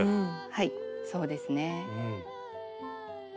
はいそうですね。